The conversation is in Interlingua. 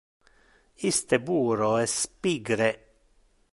Iste puero es pigre.